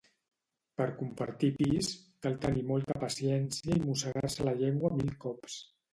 Per compartir pis cal tenir molta paciència i mossegar-se la llengua mil cops